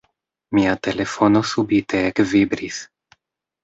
Mia telefono subite ekvibris.